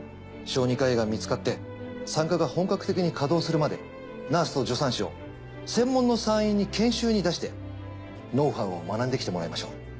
小児科医が見つかって産科が本格的に稼働するまでナースと助産師を専門の産院に研修に出してノウハウを学んできてもらいましょう。